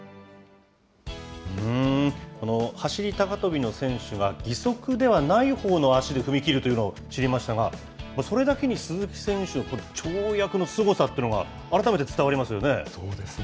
走り高跳びの選手が義足ではないほうの足で踏み切るというのを知りましたが、それだけに鈴木選手、これ、跳躍のすごさっていそうですね。